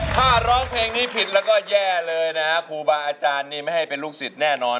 ถ้าร้องเพลงนี้ผิดแล้วก็แย่เลยนะครูบาอาจารย์นี่ไม่ให้เป็นลูกศิษย์แน่นอน